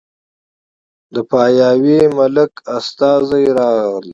د پاياوي ملک استازی راغی